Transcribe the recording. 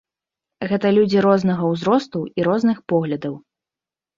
Гэта людзі рознага ўзросту і розных поглядаў.